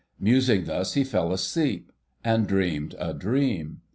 Musing thus he fell asleep, and dreamed a dream.